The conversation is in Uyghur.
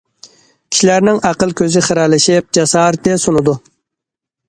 كىشىلەرنىڭ ئەقىل كۆزى خىرەلىشىپ، جاسارىتى سۇنىدۇ.